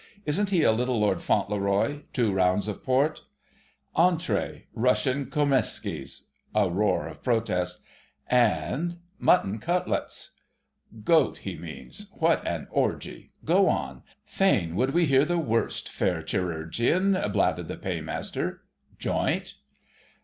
"Isn't he a little Lord Fauntleroy—two rounds of port!" "Entree: Russian Kromeskis——" A roar of protest. "And——?" "Mutton cutlets." "Goat, he means. What an orgie! Go on; fain would we hear the worst, fair chirurgeon," blathered the Paymaster. "Joint?"